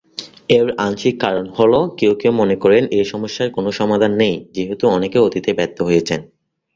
এর আংশিক কারণ হল কেউ কেউ মনে করেন এই সমস্যার কোন সমাধান নেই, যেহেতু অনেকেই অতীতে ব্যর্থ হয়েছেন।